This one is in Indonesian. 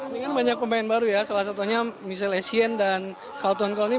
mungkin banyak pemain baru ya salah satunya michelle esien dan kaltun kolny